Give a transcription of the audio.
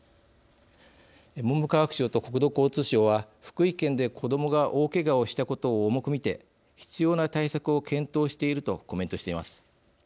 文部科学省と国土交通省は福井県で子どもが大けがをしたことを重く見て必要な対策を検討しているとコメントしています。